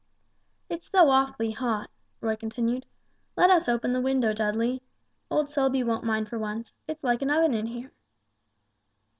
"It's so awfully hot," Roy continued; "let us open the window, Dudley. Old Selby won't mind for once; it's like an oven in here."